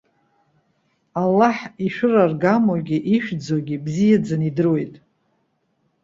Аллах, ишәыраргамоугьы, ишәӡоугьы ибзиаӡаны идыруеит!